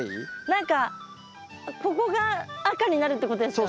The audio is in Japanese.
何かここが赤になるってことですよね。